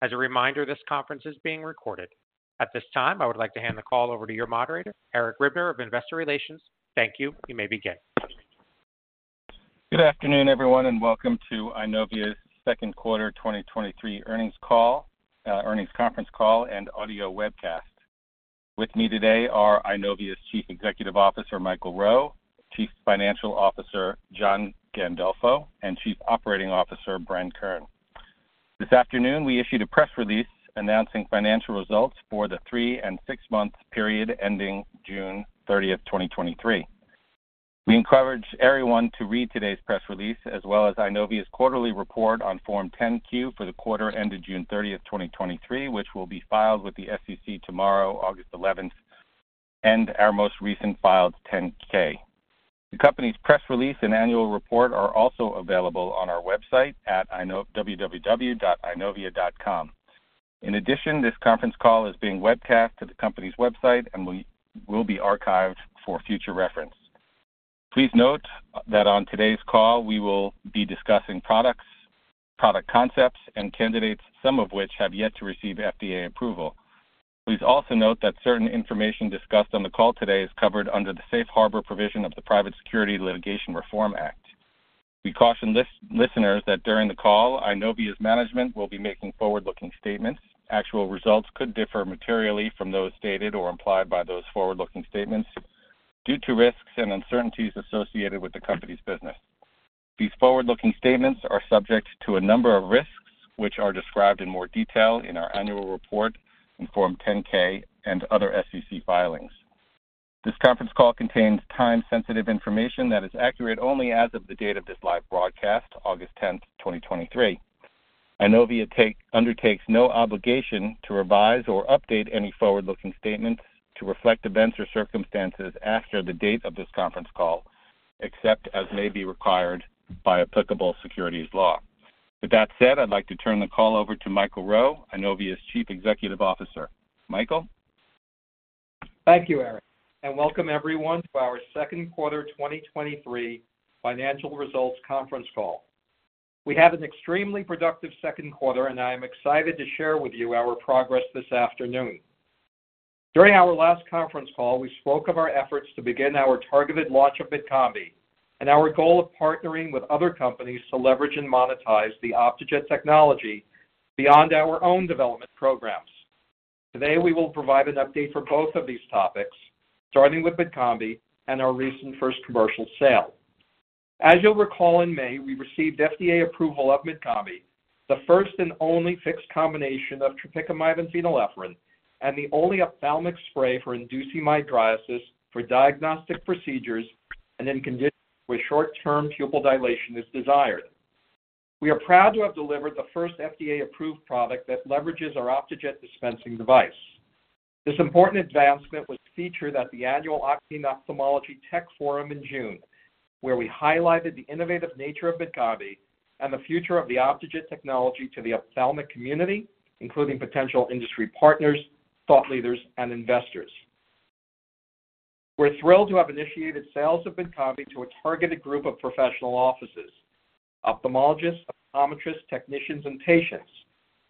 As a reminder, this conference is being recorded. At this time, I would like to hand the call over to your moderator, Eric Ribner of Investor Relations. Thank you. You may begin. Good afternoon, everyone, and welcome to Eyenovia's Q2 2023 Earnings Call, Earnings Conference Call and Audio Webcast. With me today are Eyenovia's Chief Executive Officer, Michael Rowe; Chief Financial Officer, John Gandolfo; and Chief Operating Officer, Bren Kern. This afternoon, we issued a press release announcing financial results for the three and six-month period ending June 30, 2023. We encourage everyone to read today's press release, as well as Eyenovia's quarterly report on Form 10-Q for the quarter ended June 30, 2023, which will be filed with the SEC tomorrow, August 11, and our most recent filed 10-K. The company's press release and annual report are also available on our website at www.eyenovia.com. In addition, this conference call is being webcast to the company's website and will be archived for future reference. Please note that on today's call, we will be discussing products, product concepts, and candidates, some of which have yet to receive FDA approval. Please also note that certain information discussed on the call today is covered under the safe harbor provision of the Private Securities Litigation Reform Act. We caution listeners that during the call, Eyenovia's management will be making forward-looking statements. Actual results could differ materially from those stated or implied by those forward-looking statements due to risks and uncertainties associated with the company's business. These forward-looking statements are subject to a number of risks, which are described in more detail in our annual report in Form 10-K and other SEC filings. This conference call contains time-sensitive information that is accurate only as of the date of this live broadcast, August 10, 2023. Eyenovia undertakes no obligation to revise or update any forward-looking statements to reflect events or circumstances after the date of this conference call, except as may be required by applicable securities law. With that said, I'd like to turn the call over to Michael Rowe, Eyenovia's Chief Executive Officer. Michael? Thank you, Eric, and welcome everyone to our Q2 2023 Financial Results Conference Call. We had an extremely productive Q2, and I am excited to share with you our progress this afternoon. During our last conference call, we spoke of our efforts to begin our targeted launch of Mydcombi and our goal of partnering with other companies to leverage and monetize the Optejet technology beyond our own development programs. Today, we will provide an update for both of these topics, starting with Mydcombi and our recent first commercial sale. As you'll recall, in May, we received FDA approval of Mydcombi, the first and only fixed combination of tropicamide and phenylephrine, and the only ophthalmic spray for inducing mydriasis for diagnostic procedures and in conditions where short-term pupil dilation is desired. We are proud to have delivered the first FDA-approved product that leverages our Optejet dispensing device. This important advancement was featured at the annual Ophthalmology Technology Forum in June, where we highlighted the innovative nature of Mydcombi and the future of the Optejet technology to the ophthalmic community, including potential industry partners, thought leaders, and investors. We're thrilled to have initiated sales of Mydcombi to a targeted group of professional offices. Ophthalmologists, optometrists, technicians, and patients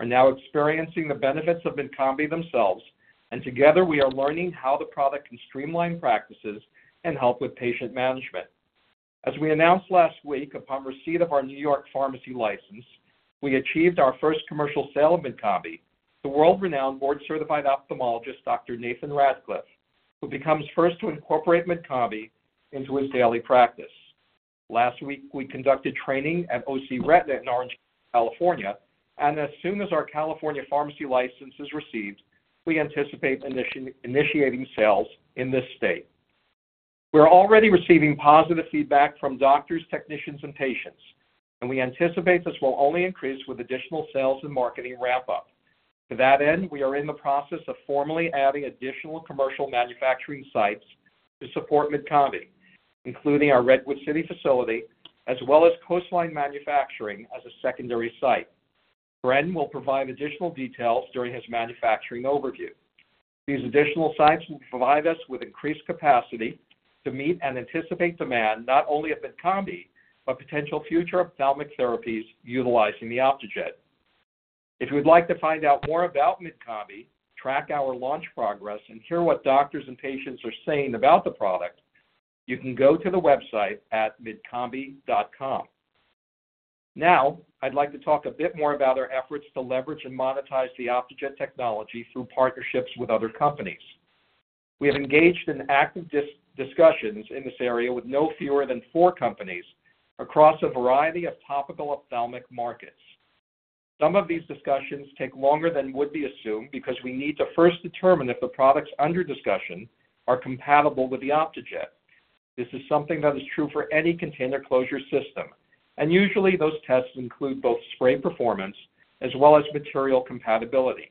are now experiencing the benefits of Mydcombi themselves, and together we are learning how the product can streamline practices and help with patient management. As we announced last week, upon receipt of our New York pharmacy license, we achieved our first commercial sale of Mydcombi. The world-renowned board-certified ophthalmologist, Dr. Nathan Radcliffe, who becomes first to incorporate Mydcombi into his daily practice. Last week, we conducted training at OC Retina in Orange, California, and as soon as our California pharmacy license is received, we anticipate initiating sales in this state. We're already receiving positive feedback from doctors, technicians, and patients, and we anticipate this will only increase with additional sales and marketing wrap-up. To that end, we are in the process of formally adding additional commercial manufacturing sites to support Mydcombi, including our Redwood City facility, as well as Coastline International as a secondary site. Bren will provide additional details during his manufacturing overview. These additional sites will provide us with increased capacity to meet and anticipate demand, not only of Mydcombi, but potential future ophthalmic therapies utilizing the Optejet. If you'd like to find out more about Mydcombi, track our launch progress, and hear what doctors and patients are saying about the product, you can go to the website at Mydcombi.com. Now, I'd like to talk a bit more about our efforts to leverage and monetize the Optejet technology through partnerships with other companies. We have engaged in active discussions in this area with no fewer than four companies across a variety of topical ophthalmic markets. Some of these discussions take longer than would be assumed because we need to first determine if the products under discussion are compatible with the Optejet. This is something that is true for any container closure system, and usually, those tests include both spray performance as well as material compatibility.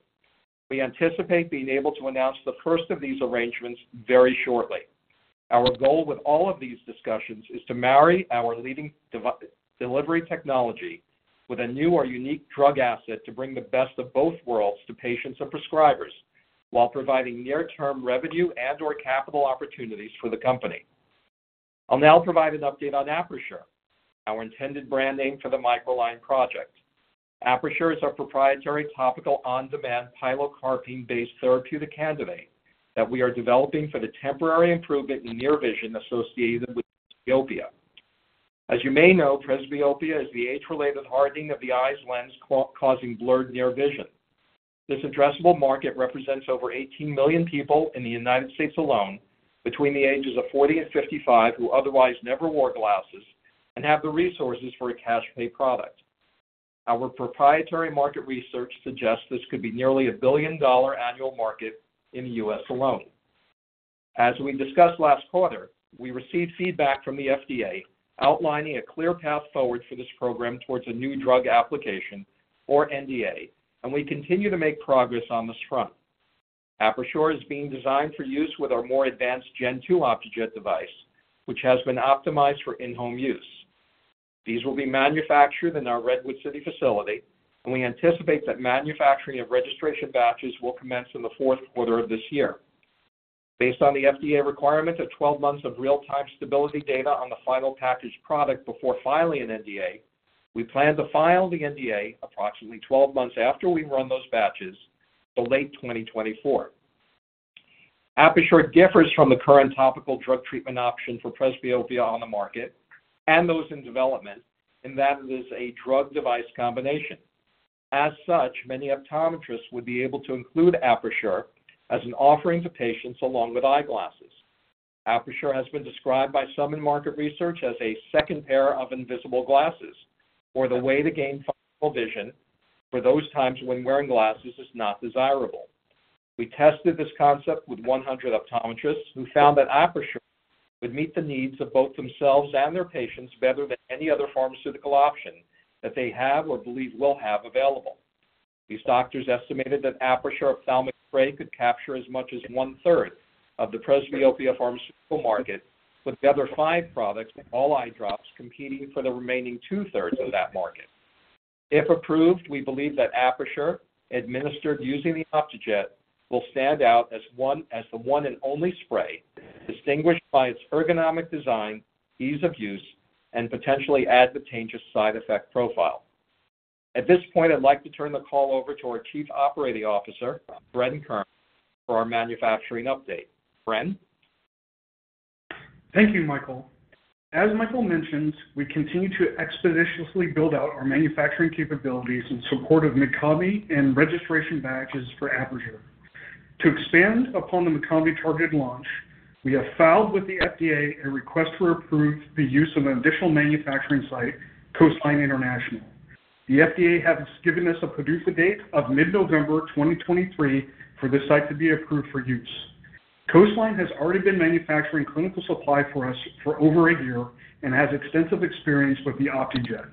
We anticipate being able to announce the first of these arrangements very shortly. Our goal with all of these discussions is to marry our leading delivery technology with a new or unique drug asset to bring the best of both worlds to patients and prescribers while providing near-term revenue and/or capital opportunities for the company. I'll now provide an update on Apersure, our intended brand name for the MicroLine project. Apersure is our proprietary topical on-demand pilocarpine-based therapeutic candidate that we are developing for the temporary improvement in near vision associated with presbyopia. As you may know, presbyopia is the age-related hardening of the eye's lens causing blurred near vision. This addressable market represents over 18 million people in the United States alone between the ages of 40 and 55, who otherwise never wore glasses and have the resources for a cash pay product. Our proprietary market research suggests this could be nearly a billion-dollar annual market in the U.S. alone. As we discussed last quarter, we received feedback from the FDA outlining a clear path forward for this program towards a New Drug Application or NDA. We continue to make progress on this front. Apersure is being designed for use with our more advanced Gen-2 Optejet device, which has been optimized for in-home use. These will be manufactured in our Redwood City facility, and we anticipate that manufacturing of registration batches will commence in Q4 of this year. Based on the FDA requirement of 12 months of real-time stability data on the final packaged product before filing an NDA, we plan to file the NDA approximately 12 months after we run those batches, so late 2024. Apersure differs from the current topical drug treatment option for presbyopia on the market and those in development, in that it is a drug device combination. As such, many optometrists would be able to include Apersure as an offering to patients along with eyeglasses. Apersure has been described by some in market research as a second pair of invisible glasses, or the way to gain functional vision for those times when wearing glasses is not desirable. We tested this concept with 100 optometrists, who found that Apersure would meet the needs of both themselves and their patients better than any other pharmaceutical option that they have or believe will have available. These doctors estimated that Apersure ophthalmic spray could capture as much as one-third of the presbyopia pharmaceutical market, with the other five products, all eye drops, competing for the remaining two-thirds of that market. If approved, we believe that Apersure, administered using the Optejet, will stand out as the one and only spray, distinguished by its ergonomic design, ease of use, and potentially advantageous side effect profile. At this point, I'd like to turn the call over to our Chief Operating Officer, Bren Kern, for our manufacturing update. Bren? Thank you, Michael. As Michael mentioned, we continue to expeditiously build out our manufacturing capabilities in support of Mydcombi and registration batches for Apersure. To expand upon the Mydcombi targeted launch, we have filed with the FDA a request to approve the use of an additional manufacturing site, Coastline International. The FDA has given us a PDUFA date of mid-November 2023 for this site to be approved for use. Coastline has already been manufacturing clinical supply for us for over a year and has extensive experience with the Optejet.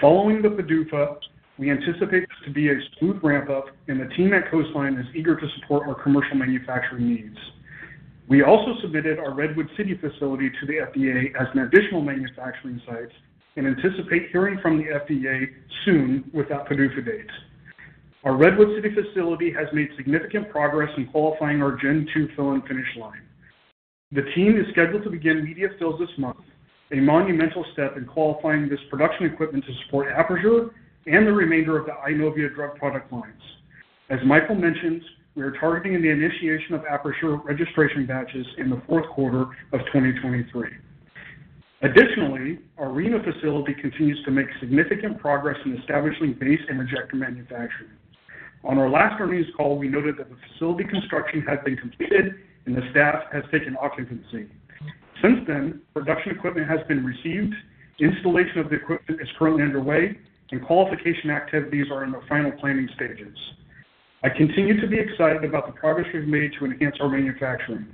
Following the PDUFA, we anticipate this to be a smooth ramp-up, and the team at Coastline is eager to support our commercial manufacturing needs. We also submitted our Redwood City facility to the FDA as an additional manufacturing site and anticipate hearing from the FDA soon with that PDUFA date. Our Redwood City facility has made significant progress in qualifying our Gen 2 fill and finish line. The team is scheduled to begin media fills this month, a monumental step in qualifying this production equipment to support Apersure and the remainder of the Eyenovia drug product lines. As Michael mentioned, we are targeting the initiation of Apersure registration batches in the fourth quarter of 2023. Our Reno facility continues to make significant progress in establishing base and injector manufacturing. On our last earnings call, we noted that the facility construction had been completed and the staff has taken occupancy. Since then, production equipment has been received, installation of the equipment is currently underway, and qualification activities are in the final planning stages. I continue to be excited about the progress we've made to enhance our manufacturing.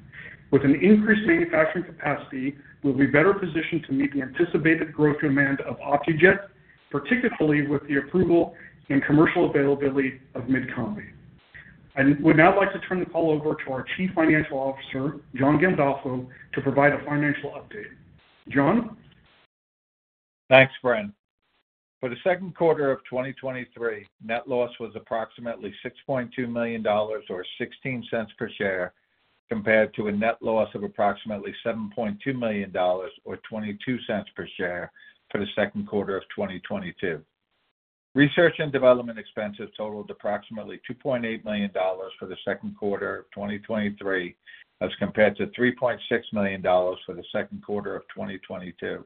With an increased manufacturing capacity, we'll be better positioned to meet the anticipated growth demand of Optejet, particularly with the approval and commercial availability of Mydcombi. I would now like to turn the call over to our Chief Financial Officer, John Gandolfo, to provide a financial update. John? Thanks, Brent. For Q2 of 2023, net loss was approximately $6.2 million, or 0.16 per share, compared to a net loss of approximately $7.2 million, or 0.22 per share for Q2 of 2022. Research and development expenses totaled approximately $2.8 for Q2 of 2023, as compared to 3.6 million for Q2 of 2022.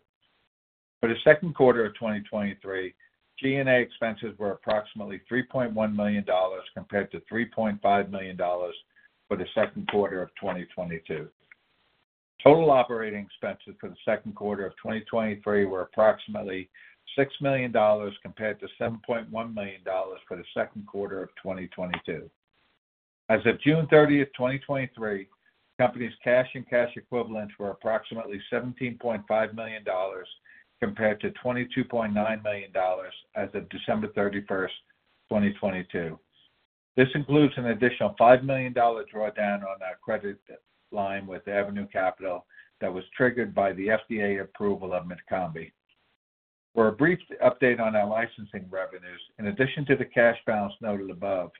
For Q2 of 2023, G&A expenses were approximately $3.1 compared to 3.5 million for Q2 of 2022. Total operating expenses for Q2 of 2023 were approximately $6 compared to 7.1 million for Q2 of 2022. As of June 30, 2023, company's cash and cash equivalents were approximately $17.5 compared to 22.9 million as of December 31, 2022. This includes an additional $5 million drawdown on our credit line with Avenue Capital that was triggered by the FDA approval of Mydcombi. For a brief update on our licensing revenues, in addition to the cash balance noted above,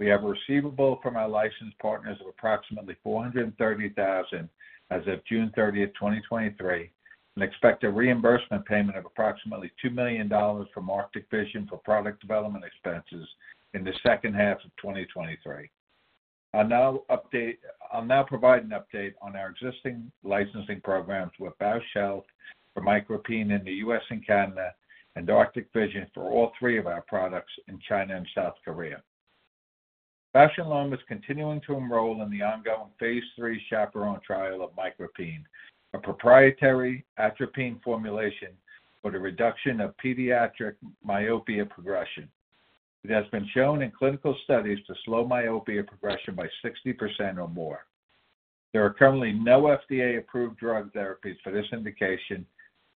we have a receivable from our licensed partners of approximately $430,000 as of June 30, 2023, and expect a reimbursement payment of approximately $2 million from Arctic Vision for product development expenses in the second half of 2023. I'll now provide an update on our existing licensing programs with Bausch Health for MicroPine in the US and Canada, and Arctic Vision for all three of our products in China and South Korea. Bausch + Lomb is continuing to enroll in the ongoing Phase 3 CHAPERONE trial of MicroPine, a proprietary atropine formulation for the reduction of pediatric myopia progression. It has been shown in clinical studies to slow myopia progression by 60% or more. There are currently no FDA-approved drug therapies for this indication,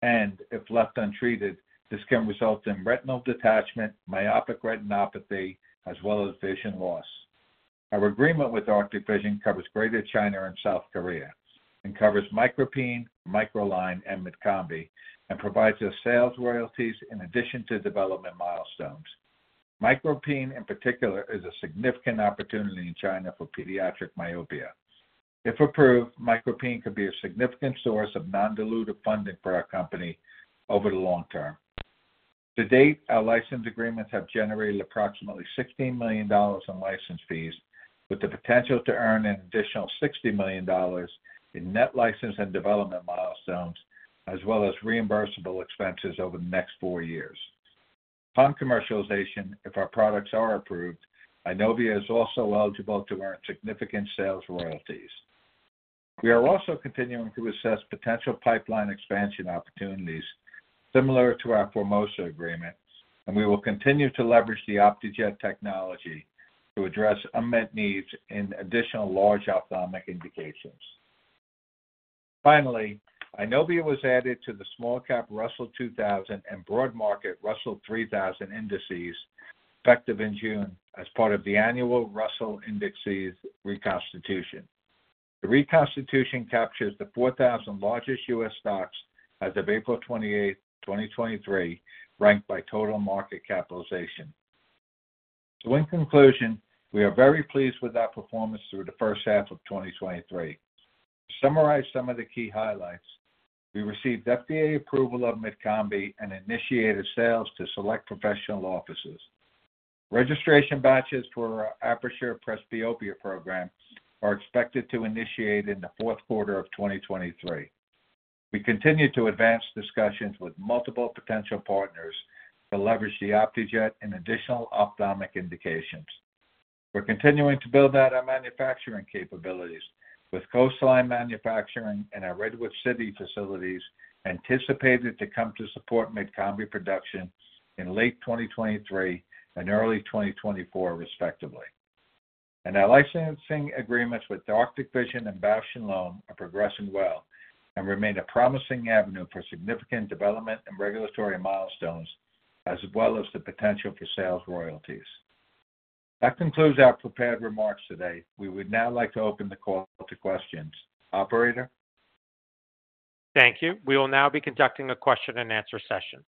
and if left untreated, this can result in retinal detachment, myopic retinopathy, as well as vision loss. Our agreement with Arctic Vision covers Greater China and South Korea and covers MicroPine, MicroLine, and Mydcombi, and provides us sales royalties in addition to development milestones. MicroPine, in particular, is a significant opportunity in China for pediatric myopia. If approved, MicroPine could be a significant source of non-dilutive funding for our company over the long term. To date, our license agreements have generated approximately $16 million in license fees, with the potential to earn an additional $60 million in net license and development milestones, as well as reimbursable expenses over the next four years. Upon commercialization, if our products are approved, Eyenovia is also eligible to earn significant sales royalties. We are also continuing to assess potential pipeline expansion opportunities similar to our Formosa agreement, and we will continue to leverage the Optejet technology to address unmet needs in additional large ophthalmic indications. Finally, Eyenovia was added to the Small Cap Russell 2000 and Broad Market Russell 3000 indices, effective in June, as part of the annual Russell Indexes reconstitution. The reconstitution captures the 4,000 largest U.S. stocks as of April 28, 2023, ranked by total market capitalization. In conclusion, we are very pleased with our performance through the first half of 2023. To summarize some of the key highlights, we received FDA approval of Mydcombi and initiated sales to select professional offices. Registration batches for our Apersure presbyopia program are expected to initiate in the fourth quarter of 2023. We continue to advance discussions with multiple potential partners to leverage the Optejet in additional ophthalmic indications. We're continuing to build out our manufacturing capabilities with Coastline manufacturing in our Redwood City facilities, anticipated to come to support Mydcombi production in late 2023 and early 2024, respectively. Our licensing agreements with Arctic Vision and Bausch + Lomb are progressing well and remain a promising avenue for significant development and regulatory milestones, as well as the potential for sales royalties. That concludes our prepared remarks today. We would now like to open the call to questions. Operator? Thank you. We will now be conducting a question and answer session.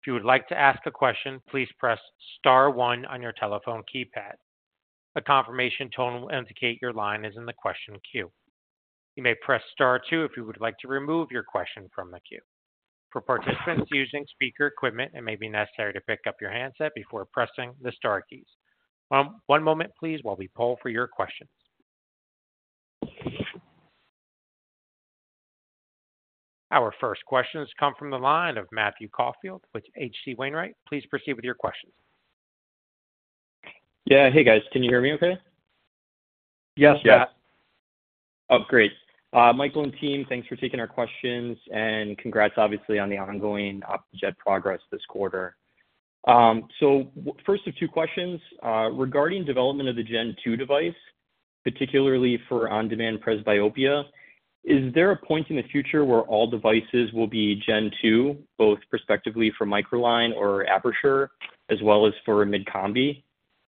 If you would like to ask a question, please press star one on your telephone keypad. A confirmation tone will indicate your line is in the question queue. You may press star two if you would like to remove your question from the queue. For participants using speaker equipment, it may be necessary to pick up your handset before pressing the star keys. One moment, please, while we poll for your questions. Our first questions come from the line of Matthew Caufield with H.C. Wainwright. Please proceed with your question. Yeah. Hey, guys. Can you hear me okay? Yes, Matt. Yes. Great. Michael and team, thanks for taking our questions and congrats, obviously, on the ongoing Optejet progress this quarter. So first of two questions. Regarding development of the Gen-2 device, particularly for on-demand presbyopia, is there a point in the future where all devices will be Gen-2, both prospectively for MicroLine or Apersure, as well as for Mydcombi?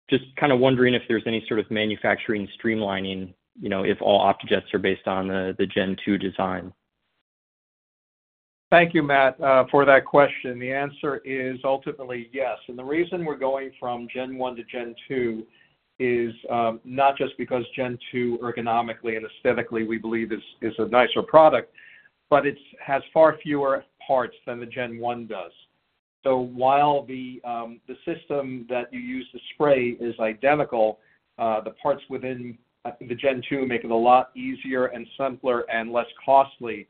Just kind of wondering if there's any sort of manufacturing streamlining, you know, if all Optejets are based on the Gen-2 design. Thank you, Matt, for that question. The answer is ultimately yes. The reason we're going from Gen-1 to Gen-2 is not just because Gen two, ergonomically and aesthetically, we believe is, is a nicer product, but it's has far fewer parts than the Gen-1 does. While the system that you use to spray is identical, the parts within the Gen-2 make it a lot easier and simpler and less costly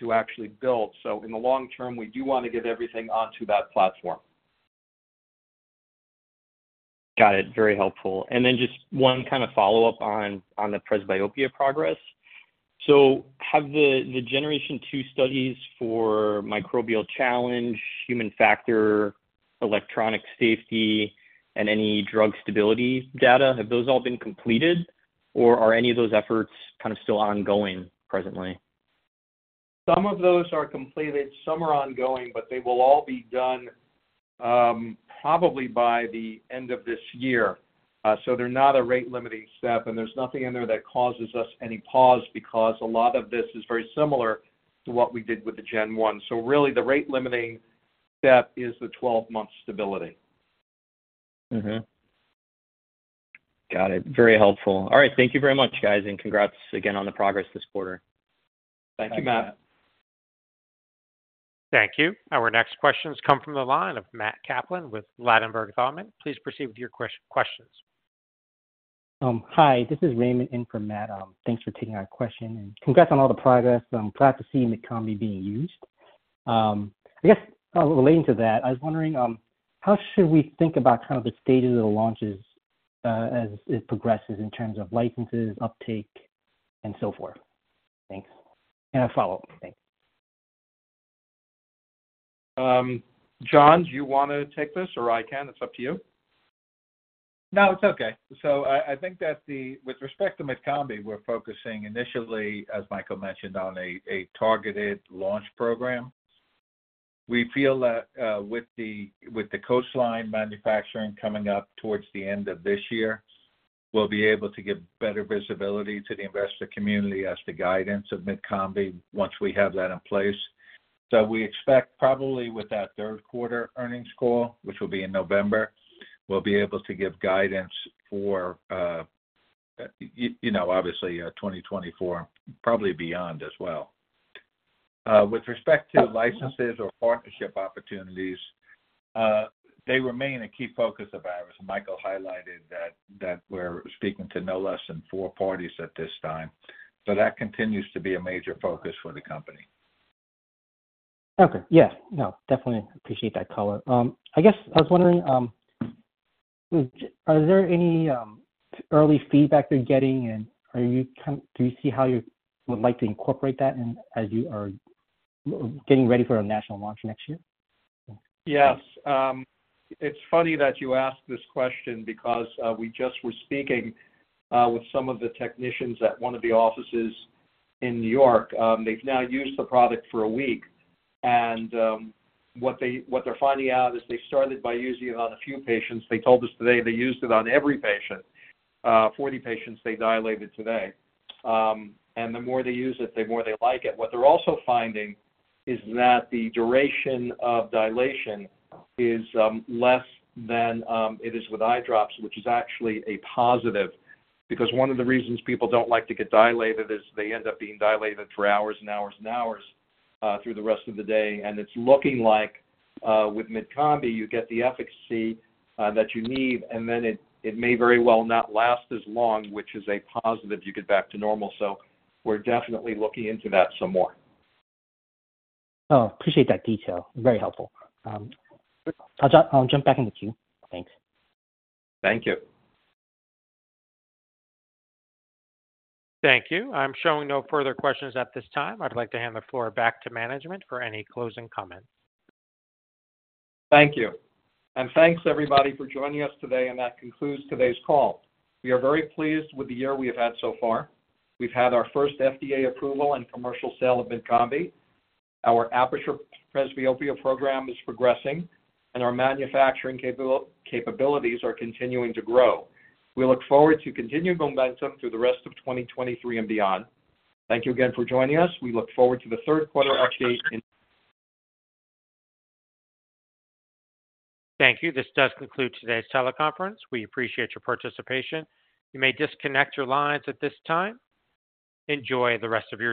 to actually build. In the long term, we do want to get everything onto that platform. Got it. Very helpful. Just one kind of follow-up on, on the presbyopia progress. Have the, the Generation two studies for microbial challenge, human factor, electronic safety, and any drug stability data, have those all been completed, or are any of those efforts kind of still ongoing presently? Some of those are completed, some are ongoing, but they will all be done.... probably by the end of this year. They're not a rate-limiting step, and there's nothing in there that causes us any pause because a lot of this is very similar to what we did with the Gen-1. The rate-limiting step is the 12-month stability. Mm-hmm. Got it. Very helpful. All right. Thank you very much, guys, and congrats again on the progress this quarter. Thank you, Matt. Thank you. Our next questions come from the line of Matthew Kaplan with Ladenburg Thalmann. Please proceed with your questions. Hi, this is Raymond in for Matt. Thanks for taking our question, and congrats on all the progress. I'm glad to see Mydcombi being used. I guess relating to that, I was wondering, how should we think about kind of the stages of the launches, as it progresses in terms of licenses, uptake, and so forth? Thanks. A follow-up thing. John, do you want to take this, or I can? It's up to you. No, it's okay. I, I think that with respect to Mydcombi, we're focusing initially, as Michael mentioned, on a, a targeted launch program. We feel that with the Coastline manufacturing coming up towards the end of this year, we'll be able to give better visibility to the investor community as to guidance of Mydcombi once we have that in place. We expect probably with that third quarter earnings call, which will be in November, we'll be able to give guidance for, you know, obviously, 2024, probably beyond as well. With respect to licenses or partnership opportunities, they remain a key focus of ours. Michael highlighted that, that we're speaking to no less than four parties at this time. That continues to be a major focus for the company. Okay. Yes, no, definitely appreciate that color. I guess I was wondering, are there any early feedback you're getting, and are you do you see how you would like to incorporate that and as you are getting ready for a national launch next year? Yes. It's funny that you ask this question because we just were speaking with some of the technicians at one of the offices in New York. They've now used the product for a week, what they're finding out is they started by using it on a few patients. They told us today they used it on every patient. 40 patients they dilated today. The more they use it, the more they like it. What they're also finding is that the duration of dilation is less than it is with eye drops, which is actually a positive. One of the reasons people don't like to get dilated is they end up being dilated for hours and hours and hours through the rest of the day. It's looking like, with Mydcombi, you get the efficacy, that you need, and then it, it may very well not last as long, which is a positive you get back to normal. We're definitely looking into that some more. Oh, appreciate that detail. Very helpful. I'll jump back in the queue. Thanks. Thank you. Thank you. I'm showing no further questions at this time. I'd like to hand the floor back to management for any closing comments. Thank you. Thanks, everybody, for joining us today. That concludes today's call. We are very pleased with the year we have had so far. We've had our first FDA approval and commercial sale of Mydcombi. Our Apersure presbyopia program is progressing, and our manufacturing capabilities are continuing to grow. We look forward to continued momentum through the rest of 2023 and beyond. Thank you again for joining us. We look forward to Q3 update. Thank you. This does conclude today's teleconference. We appreciate your participation. You may disconnect your lines at this time. Enjoy the rest of your day.